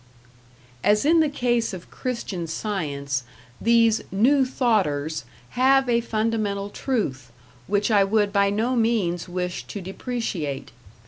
As in the case of Christian Science, these New Thoughters have a fundamental truth, which I would by no means wish to depreciate.